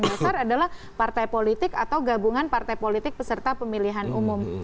undang undang dasar adalah partai politik atau gabungan partai politik peserta pemilihan umum